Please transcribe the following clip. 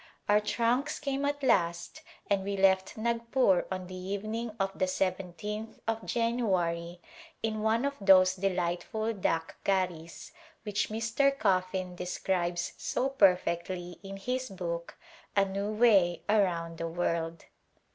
Our trunks came at last and we left Nagpur on the evening of the lyth of January in one of those delightful ^' dak garis'* which Mr. Coffin describes so perfectly in his book " A New Way Around the World."